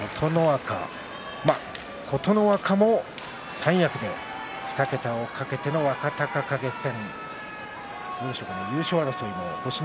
琴ノ若も三役で２桁を懸けての若隆景戦。